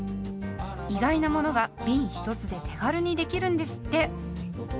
意外なものがびん１つで手軽にできるんですって。